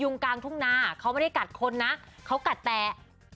กลางทุ่งนาเขาไม่ได้กัดคนนะเขากัดแตะ